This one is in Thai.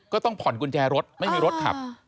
ก็ต้องผ่อนกุญแจรถไม่มีรถขับ